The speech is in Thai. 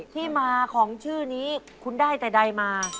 ที่มาของชื่อนี้คุณได้แต่ใดมา